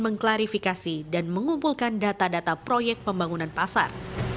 mengklarifikasi dan mengumpulkan data data proyek pembangunan pasar